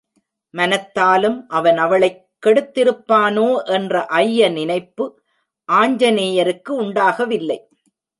மனத்தாலும் அவன் அவளைக் கெடுத்திருப்பானோ என்ற ஐய நினைப்பு ஆஞ்சநேயருக்கு உண்டாகவில்லை.